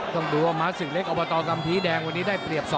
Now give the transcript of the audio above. ต้องดูว่าม้าศึกเล็กอบตกัมภีแดงวันนี้ได้เปรียบ๒